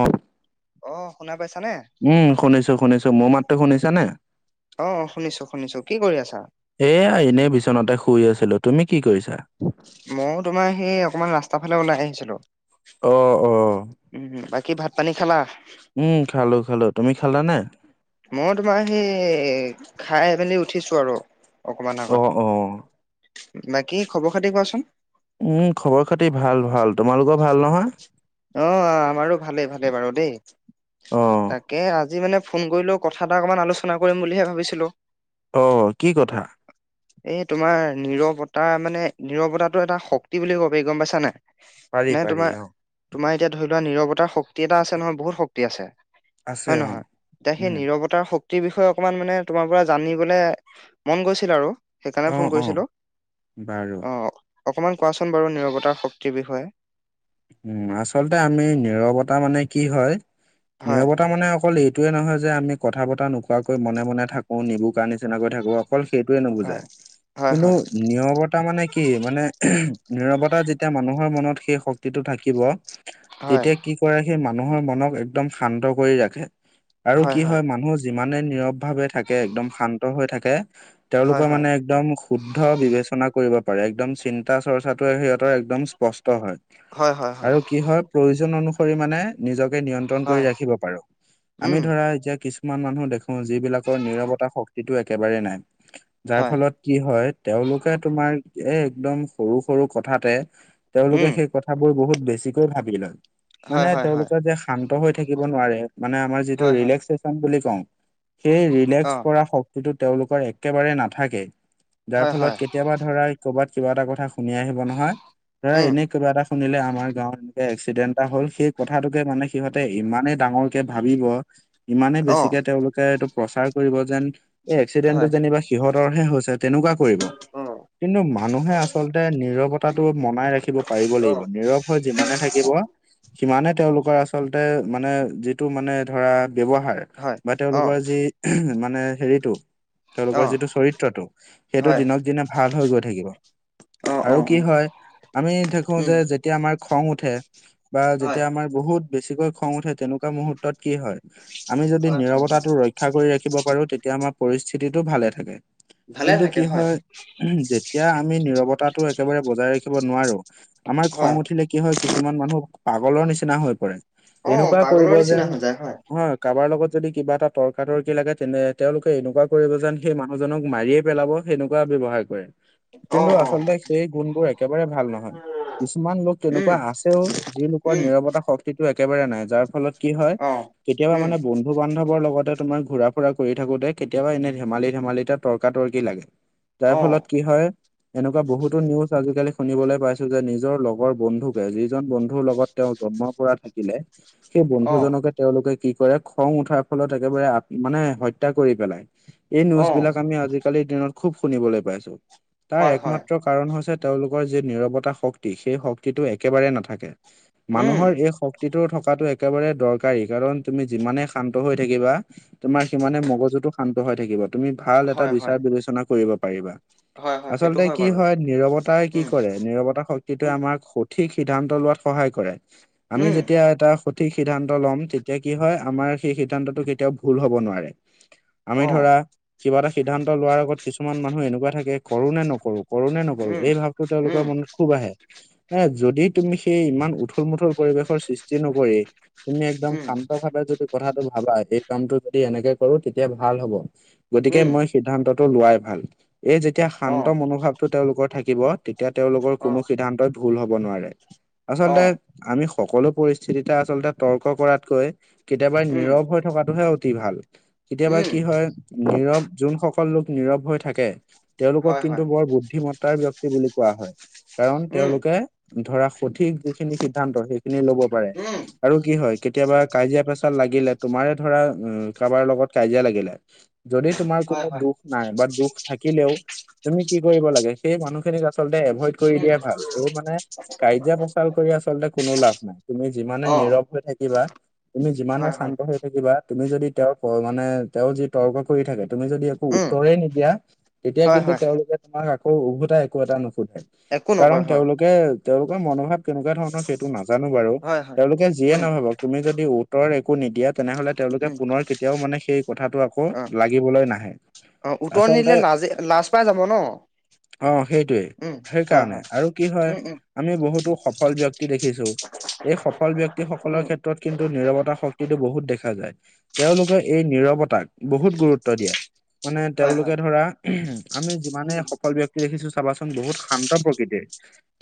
অ অ শুনা পাইছানে? উম শুনিছোঁ শুনিছোঁ মোৰ মাতটো শুনিছা নে? অ শুনিছোঁ শুনিছোঁ কি কৰি আছা? এয়া এনেই বিচনাতে শুই আছিলোঁ তুমি কি কৰিছা? মইও তোমাৰ সেই অকমান ৰাস্তাৰ ফালে ওলাই আহিছিলো অ' অ' উম বাকী ভাত পানী খালা? উম খালো খালো তুমি খালানে মই তোমাৰ সেই খাই মেলি উঠিছোঁ আৰু অকমান অ আগত। অ বাকী খবৰ -খাতি কোৱাচোন। উম খবৰ -খাতি ভাল ভাল তোমালোকৰ ভাল নহয়। অ' অ' আমাৰো ভালেই ভালেই বাৰু দেই তাক। অ তাকে আজি মানে ফন কৰিলেও কথা এটা অকণমান আলোচনা কৰিম বুলিহে ভাবিছিলোঁ। অ' কি কথা। এই তোমাৰ নিৰৱতা মানে নিৰৱতাটো এটা শক্তি বুলি গম পাইছা নাই। পাৰি নে পাৰি তোমাৰ অ তোমাৰ এতিয়া ধৰি লোৱা নিৰৱতাৰ শক্তি। এটা আছে নহয় বহুত শক্তি আছে আছে হয় অ নহয় এতিয়া সেই উম নিৰৱব। তাৰ শক্তিৰ বিষয়ে অকমান মানে তোমাৰ পৰা জানিবলে মন গৈছিল আৰু। সেইকাৰণে অ ফোন অ কৰিছিলোঁ বাৰু অ' অকণমান কোৱাচোন বাৰু নিৰৱতাৰ শক্তিৰ বিষয়ে। উম আচলতে আমি নিৰৱতা মানে কি হয় হয়, নিৰৱতা মানে অকল ই। এইটোৱে নহয় যে আমি কথা পতৰা নোকোৱাকৈ মনে মনে থাকোঁ নিবুুকা নিচিনাকৈ থাকোঁ। অকল সেইটয়ে হয়, নুবুজায় হয়, কিন্তু। হয়, নিৰৱতা মানে কি মানে নিৰৱতা যেতিয়া মানুহৰ মনত সেই শক্তি। থাকিব হয়, তেতিয়া কি কৰে সেই মানুহৰ মনক একদম শান্ত কৰি ৰাখে। আৰু কি হয় মানুহ যিমানে নীৰৱ ভাৱে থাকে একদম শান্ত হৈ থাকে। হয়, তেওঁলোকৰ হয়, মানে একদম। শুদ্ধ বিবেচনা কৰিব পাৰে একদম চিন্তা চৰ্চাটো সিহঁতৰ একদম স্পষ্ট হয়। হয়, হয়, আৰু কি হয় প্ৰয়োজন অনুসৰি মানে নিজকে নিয়ন্ত্ৰ। তন কৰি হয়, ৰাখিব পাৰো আমি উম, ধৰা এতিয়া কি। কিছুমান মানুহ দেখো যিবিলাকৰ নিৰৱতা শক্তিটো একেবাৰেই নাই যাৰ হয়, ফলত। কি হয় তেওঁলোকে তোমাৰ এ একদম সৰু সৰু কথাতে তেওঁলোকে উম, সেই কথা। কথাবোৰ বহুত বেছিকৈ ভাবি লয় হয়, মানে হয়, হয়, তেওঁলোকে যে শান্ত হৈ থাকিব নোৱাৰে মানে আমাৰ। যিটো হয়, হয়, ৰেলাশটেচন বুলি কওঁ সেই ৰিলাস অ', কৰা শক্তি। সেইটো তেওঁলোকৰ একেবাৰে নাথাকে যাৰ হয়, ফলত হয়, কে। কেতিয়াবা ধৰা কৰ'বাত কিবা এটা কথা শুনি আহিব নহয় ধৰা উম, এনে কিবা এটা। শুনিলে আমাৰ গাঁৱত এনেকে এক্সিডেণ্ট এটা হল সেই কথাটোকে মানে সিহঁতে ইমানেই ডাঙৰ কে ভাবিব। ইমানেই অ', বেছিকে তেওঁলোকে এইটো প্ৰচাৰ কৰিব যেন এই এক্সিডেন্টটো হয়, যেনিবা সিহঁতৰহে হৈছে। তেনেকুৱা কৰিব অ', কিন্তু মানুহে আচলতে নিৰৱতাটো মনাই ৰাখিব পাৰিব লাগিব। অ', নীৰৱ হৈ যিমানে থাকিব। সিমানে তেওঁলোকৰ আচলতে মানে যিটো মানে ধৰা ব্যৱহাৰ। হয়, বা অ', তেওঁলোকৰ যি। মানে হেৰিতটো তেওঁলোকৰ অ', যিটো চৰিত্ৰটো সেইটো হয়, দিনক দিনে। ভাল হৈ গৈ থাকিব অ', অ', আৰু অ', কি হয় আমি দেখো উম, যে যেতিয়া। যেতিয়া আমাৰ খং উঠে বা হয়, যেতিয়া আমাৰ বহুত। বেছিকৈ খং উঠে তেনেকুৱা মুহুৰ্তত কি হয়। আমি যদি হয়, হয়, নিৰৱতাটো ৰক্ষা কৰি ৰাখিব পাৰো তেতিয়া আমাৰ পৰিস্থিতিটো ভালে থাকে। ভালে কিন্তু থাকে কি হয় যেতিয়া আমি নিৰৱতাটো একেবাৰে বজাই ৰাখিব নোৱাৰো। আমাৰ খং হয়, উঠিলে কি হয় কিছুমান মানুহ পাগলৰ নিচিনা হৈ পৰে। অ', এনেকুৱা কৰিব পাগলৰ নিচিনা যেন হৈ যায় হয়। কাবাৰ লগত যদি কিবা এটা তৰ্কাতৰ্কি লাগে তেনে তেওঁলোকে এনেকুৱা কৰিব যেন সেই মানুহজনক মাৰিয়ে পেলাব। সেনেকুৱা ব্যৱহাৰ কৰে অ', কিন্তু অ', আচলতে সেই গুণবোৰ একেবাৰে ভাল নহয়। কিছুমান লোক তেনেকুৱা উম, আছেও যি লোকৰ উম, নিৰৱতা শক্তিটো একেবাৰে নাই যাৰ ফলত। কি হয় অ', কেতিয়াবা উম, মানে বন্ধু। বন্ধু বান্ধৱৰ লগতে তোমাৰ ঘূৰা ফুৰা কৰি থাকোতে কেতিয়াবা এনে ধেমালি ধেমালি তে তৰ্কা তৰ্কি লাগে। যাৰ ফলত অ', কি হয়, এনেকুৱা বহুতো নিউজ আজিকালি শুনিবলৈ পাইছো যে নিজ নিজৰ লগৰ বন্ধুকে যিজন বন্ধুৰ লগত তেওঁ জন্মৰ পৰা থাকিলে, সেই অ', বন্ধুজনকে তেওঁলোকে কি কৰে খং উঠাৰ ফলত একেবাৰে মানে হত্যা কৰি পেলায়। এই নিউজ অ', বিলাক আমি আজিকালিৰ দিনত খুব শুনিবলৈ পাইছো। তাৰ হয়, হয়, একমাত্ৰ কাৰণ হৈছে তেওঁলোকৰ যি নিৰৱতা শক্তি, সেই শক্তিটো একেবাৰে নাথাকে। উম, মানুহৰ এই শক্তি থকাটো একেবাৰে দৰকাৰী। কাৰণ তুমি যিমানে শান্ত হৈ থাকিবা তোমাৰ সিমানে মগজুটো শান্ত হৈ থাকিব। তুমি ভাল এটা হয়, হয়, বিচাৰ বিবেচনা কৰিব পাৰিবা। হয়, হয়, সেইটো আচলতে কি বাৰু। হয় নিৰৱতাই কি উম, কৰে নিৰৱতা শক্তি উম, সঠিক সিদ্ধান্ত লোৱাত সহায় কৰে। আমি উম, যেতিয়া এটা সঠিক সিদ্ধান্ত ল'ম তেতিয়া কি হয় আমাৰ সেই সিদ্ধান্তটো কেতিয়াও ভুল হ'ব নোৱাৰে। আমি অ', ধৰা কিবা এটা সিদ্ধান্ত লোৱাৰ আগত কিছুমান মানুহ এনেকুৱা থাকে কৰো নে নকৰো। কৰো নে নকৰো, উম, এই ভাৱটো তেওঁলোকৰ উম, মনত খুব আহে। হে যদি তুমি সেই ইমান উঠোল মুঠোল পৰিৱেশৰ সৃষ্টি নকৰি তুমি একদম উম, শান্ত ভাৱে যদি কথাটো ভাবা, এই কামটো যদি এনেকে কৰো তেতিয়া ভাল হব। গতিকে উম, মই সিদ্ধান্তটো লোৱাই ভাল। এই যেতিয়া শান্ত অ', মনোভাৱটো তেওঁলোকৰ থাকিব তেতিয়া তেওঁলোকৰ কোনো অ', সিদ্ধান্তই ভুল হব নোৱাৰে। আচলতে অ', আমি সকলো পৰিস্থিতিতে আচলতে তৰ্ক কৰাতকৈ কেতিয়াবা উম, নীৰৱ হৈ থকাটোহে অতি ভাল। কেতিয়াবা উম, কি হয় নীৰৱ যোনসকল লোক নীৰৱ হৈ থাকে হয়, তেওঁলোকক হয়, কিন্তু বৰ বুদ্ধিমত্তাৰ ব্যক্তি বুলি কোৱা হয়। কাৰণ উম, তেওঁলোকে ধৰা সঠিক যিখিনি সিদ্ধান্ত সেইখিনি লব পাৰে। উম, আৰু কি হয় কেতিয়াবা কাজিয়া পেচাল লাগিলে, তোমাৰে ধৰা কাৰোবাৰ লগত কাজিয়া লাগিলে। যদি তোমাৰ কোনো হয়, হয়, দুখ নাই বা দুখ থাকিলেও তুমি কি কৰিব লাগে, সেই মানুহখিনিক আচলতে এভইড কৰি উম, দিয়াই ভাল। এই মানে কাজিয়া পেচাল কৰি আচলতে কোনো লাভ নাই। তুমি যিমানে অ', নীৰৱ হৈ থাকিবা তুমি যিমানে হয়, হয়, শান্ত হৈ থাকিবা তুমি যদি তেওঁৰ মানে তেওঁৰ যি তৰ্ক কৰি থাকে তুমি যদি একো উম, উত্তৰে নিদিয়া তেতিয়া হয়, কিন্তু হয়, তেওঁলোকে তোমাক আকৌ উভতাই একো এটা নুশুধে। একো কাৰণ নকয় হয়, তেওঁলোকে তেওঁলোকৰ মনোভাৱ কেনেকুৱা ধৰণৰ সেইটো নাজানো বাৰু। হয়, হয়। তেওঁলোকে যিয়ে উম, নাভাবক তুমি যদি উত্তৰ একো নিদিয়াত তেনেহলে তেওঁলোকে উম, পুনৰ কেতিয়াও মানে সেই কথাটোত আকৌ অ', লাগিবলৈ নাহে। অ উত্তৰ আচলতে নিদিলে লাজে লাজ পাই যাব। ন? অ সেইটোৱেই। উম, হয়, সেইকাৰণে হয়, আৰু কি হয় উম, উম, আমি বহুতো সফল ব্যক্তি দেখিছো। এই সফল ব্যক্তি উম। সকলৰ ক্ষেত্ৰত কিন্তু নিৰৱতা শক্তিটো বহুত দেখা যায়। তেওঁলোকে এই নিৰৱতাক বহুত গুৰুত্ব দিয়ে। মানে হয় হয় তেওঁলোকে ধৰা, আমি যিমানেই উম সফল ব্যক্তি দেখিছো চাবাচোন বহুত শান্ত প্ৰকৃতিৰ।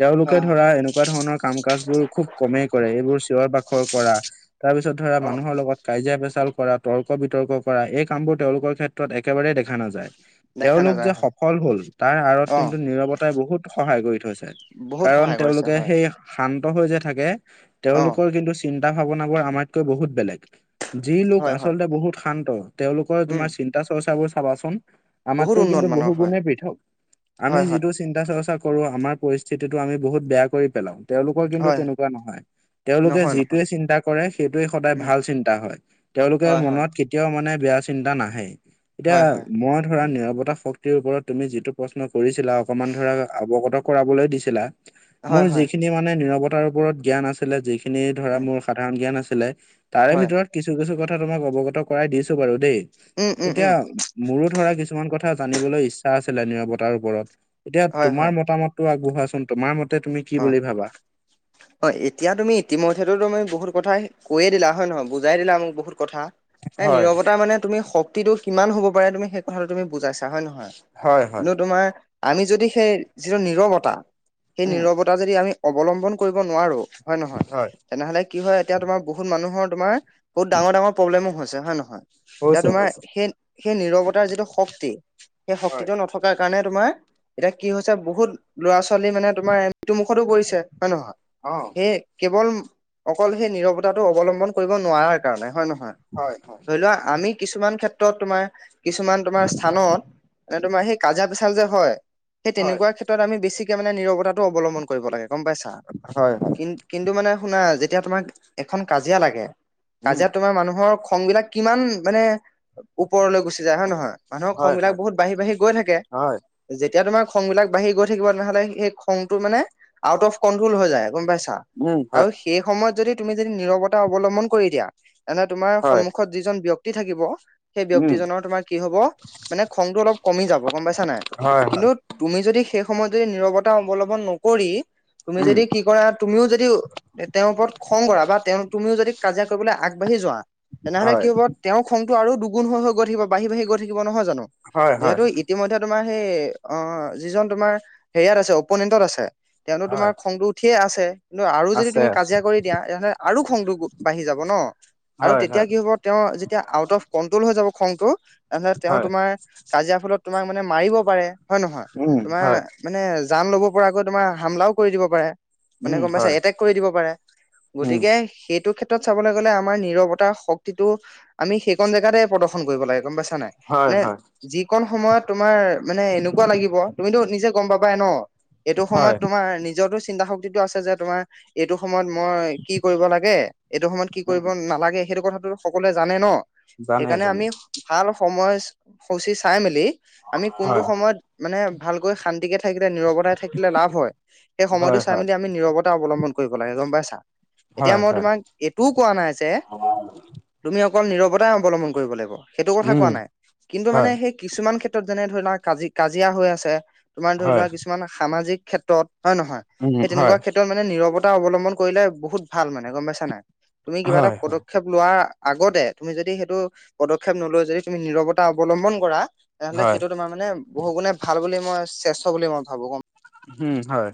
তেওঁলোকে হয় হয় ধৰা এনেকুৱা ধৰণৰ কাম কাজ বোৰ খুব কমেই কৰে। এইবোৰ চিঞৰ বাখৰ কৰা, তাৰ পিছত ধৰা অ মানুহৰ লগত কাজিয়া পেচাল কৰা তৰ্ক বিতৰ্ক কৰা এই কামবোৰ তেওঁলোকৰ ক্ষেত্ৰত একেবাৰেই দেখা নাযায়। দেখা তেওঁলোক নাযায় যে হয় সফল হল তাৰ আঁৰত অ কিন্তু নিৰৱতা বটাই বহুত সহায় কৰি থৈছে। বহুত কাৰণ সহায় কৰিছে তেওঁলোকে হয় সেই শান্ত হৈ যে থাকে অ তেওঁলোকৰ কিন্তু চিন্তা ভাৱনাবোৰ আমাতকৈ বহুত বেলেগ। যি লোক হয় হয় আচলতে বহুত শান্ত তেওঁলোকৰ উম তোমাৰ চিন্তা চৰ্চা বোৰ চাবাচোন বহুত আমাতকৈ উন্নত কিন্তু মানৰ বহু হয় গুণে পৃথক। আমি হয় হয় যিটো চিন্তা -চৰ্চা কৰো আমাৰ পৰিস্থিতিটো আমি বহুত বেয়া কৰি পেলাও তেওঁলোকৰ কিন্তু হয় তেনেকুৱা নহয়। তেওঁলোকে নহয় নহয় যিটোৱে চিন্তা কৰে। সেইটোৱে সদায় উম ভাল চিন্তা হয় তেওঁলোকে হয় হয় মনত কেতিয়াও মানে বেয়া চিন্তা নাহে এতিয়া হয় হয় মই ধৰা নিৰাপত্তা শক্তি, তুমি যিটো প্ৰশ্ন কৰিছিলা। অকমান অবগত কৰাবলৈ দিছিলা মই হয় হয় যিখিনি মানে নিৰৱতাৰ ওপৰত জ্ঞান আছিলে। যিখিনি ধৰা উম মোৰ সাধাৰণ জ্ঞান আছিলে তাৰে হয় ভিতৰত কিছু- কিছু কথা তোমাক অৱগত কৰাই দিছো বাৰু দেই উম উম এতিয়া। উম মোৰো ধৰা কিছুমান কথা জানিবলৈ ইচ্ছা আছিলে নিৰাৱতাৰ ওপৰত এতিয়া হয় তোমাৰ হয় মতামত টো আগবঢ়োৱাচোন তোমাৰ মতে তুমি কি বুলি ভাবা। অ এতিয়া তুমি ইতিমধ্যেটো তুমি বহুত কথাই কৈয়ে দিলা হয় নহয় বুজাই দিলা মোক বহুত কথা। এ নিৰৱতাৰ মানে তুমি শক্তিটো কিমান হ'ব পাৰে তুমি সেই কথাটো তুমি বুজাইছা হয় নহয়। কিন্তু তোমাৰ আমি যদি সেই যিটো নীৰৱতা সেই উম নীৰৱতা যদি আমি অৱলম্বন, কৰিব নোৱাৰো হয় নহয়। হয় তেনেহলে কি হয় এতিয়া তোমাৰ বহুত মানুহৰ তোমাৰ বহুত ডাঙৰ -ডাঙৰ প্ৰবলেমো হৈছে হয় নহয়। এতিয়া হৈছে তোমাৰ হৈছে সেই সেই নিৰৱতাৰ যিটো শক্তি সেই হয় শক্তিটো নথকা থকাৰ কাৰণে তোমাৰ এতিয়া কি হৈছে বহুত ল'ৰা ছোৱালী মানে তোমাৰ এই মৃত্যু মুখতো পৰিছে হয় নহয়। অ সেই কেৱল অকল সেই নিৰৱতাটো অৱলম্বন কৰিব নোৱাৰাৰ কাৰণে হয় নহয়। হয় হয় ধৰি লোৱা আমি কিছুমান ক্ষেত্ৰত তোমাৰ কিছুমান তোমাৰ স্থানত। মানে তোমাৰ সেই কাইজীয়া, পেচাল যে হয়। সেই হয় তেনেকুৱা ক্ষেত্ৰত আমি বেছিকে মানে নিৰতাটো অৱলম্বন কৰিব লাগে গম পাইছা। হয় হয়। কিন কিন্তু মানে শুনা যেতিয়া তোমাৰ এখন কাজিয়া লাগে হয় উম কাজিয়াত তোমাৰ মানুহৰ খং, বিলাক কিমান মানে ওপৰলৈ গুচি যায়। হয় নহয় মানুহৰ খং, হয় বিলাক হয় বহুত বাঢ়ি -বাঢ়ি গৈ থাকে। হয় যেতিয়া তোমাৰ খং বিলাক বাঢ়ি গৈ থাকিব তেনেহলে সেই খংটো মানে আউ অফ কন হৈ যায় গম পাইছা উম আৰু হয় সেই সময়ত যদি তুমি যদি নিৰৱতা অৱলম্বন কৰি দিয়া। এনে তোমাৰ হয় সন্মুখত যিজন ব্যক্তি থাকিব। সেই উম ব্যক্তিজনৰ তোমাৰ কি হ'ব মানে খংটো অলপ কমি যাব গম পাইছা নাই। হয় হয় কিন্তু তুমি যদি সেই সময়ত যদি নিৰৱতা অৱলম্বন নকৰি তুমি উম যদি কি কৰা তুমিও যদি তেওঁৰ ওপৰত খং কৰা। বা তেওঁ তুমিও যদি কাজিয়া কৰিবলৈ আগবাঢ়ি যোৱা তেনেহ'লে কি হয় হ'ব। তেওঁৰ খংটো, আৰু দুগুণ হৈ গৈ থাকিব বাঢ়ি বাঢ়ি গৈ থাকিব নহয় জানো হয় হয় যিহেতু ইতিমধ্যে। তোমাৰ সেই অ যিজন তোমাৰ হেৰিয়াত আছে। অপনেন্তট আছে তেওঁটো তোমাৰ হয় খংটো উঠিয়ে আছে কিন্তু আৰু যদি আছে তুমি আছে কাজিয়া কৰি দিয়া তেতিয়াহ'লে আৰু খংটো বাঢ়ি যাব ন। আৰু হয় তেতিয়া হয় কি হ'ব? তেওঁ যেতিয়া আউট অফ কণ্ট্ৰল হৈ যাব খংটো তেনেহলে তেওঁ হয় তোমাৰ কাজিয়া ফলত তোমাক মানে মাৰিব পাৰে হয় নহয়। উম তোমাৰ হয় মানে জান লব পৰাকৈ তোমাৰ হামলাও দিব পাৰে মানে উম গম পাইছা হয় এটেক কৰি দিব পাৰে উম গতিকে সেইটো ক্ষেত্ৰত ত্ৰত চাবলৈ গ'লে আমাৰ নিৰৱতাৰ শক্তিটো আমি সেইকন জেগাতে প্ৰদৰ্শন কৰিব লাগে গম পাইছা নাই্ হয় মানে হয় যিকন সময়ত তোমাৰ মানে এনেকুৱা লাগিব তুমিতো নিজে গম পাবাই ন। এইটো হয় সময়ত তোমাৰ নিজৰটো চিন্তা শক্তিটো আছে যে তোমাৰ এইটো সময়ত মই কি কৰিব লাগে এইটো সময়ত কি উম কৰিব নালাগে সেইটো কথাটো। সকলোৱে জানে ন জানে সেইকাৰণে জানে আমি ভাল সময় সূচী চাই মেলি আমি কোনটো হয় সময়ত মানে ভালকৈ শান্তিকে থাকিলে নিৰৱতাই থাকিলে লাভ হয়। সেই সময়টো হয় চাই হয় মেলি আমি নিৰৱতা অৱলম্বন কৰিব লাগে গম পাইছা। এতিয়া হয় মই হয় তোমাক এইটোও কোৱা নাই যে তুমি অকল নীৰৱতাই অৱলম্বন কৰিব লাগিব সেইটো কথা উম কোৱা নাই কিন্তু মানে হয় সেই কিছুমান ক্ষেত্ৰত যেনে ধৰি লোৱা কাজি কাজিয়া হৈ আছে তোমাৰ ধৰি হয় লোৱা কিছুমান সামাজিক ক্ষেত্ৰত হয় নহয় উম, সেই তেনেকুৱা হয়, ক্ষেত্ৰত মানে নিৰৱতা অৱলম্বন কৰিলে বহুত ভাল মানে গম পাইছা নাই তুমি কিবা এটা হয়, পদ হয়, ক্ষেপ লোৱাৰ আগতে তুমি যদি সেইটো পদক্ষেপ নলৈ যদি তুমি নিৰৱতা অৱলম্বন কৰা তেনেহ'লে হয়, সেইটো তোমাৰ মানে বহু গুণে ভাল বুলি মই শ্ৰেষ্ঠ বুলি মই ভাবো কম উম হয়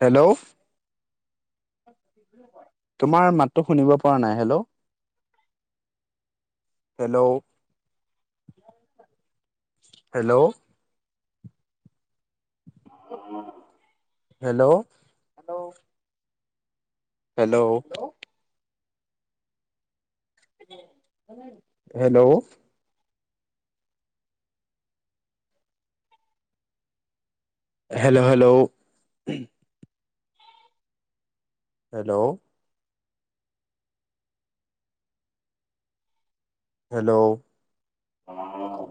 হেল্ল' তোমাৰ মাততো শুনিব পৰা নাই hello hello hello hello hello hello hello hello hello hello hello hello.